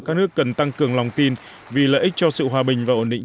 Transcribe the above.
các nước cần tăng cường lòng tin vì lợi ích cho sự hòa bình và ổn định